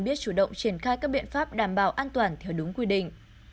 biết chủ động triển khai các biện pháp đảm bảo an toàn theo đúng quy định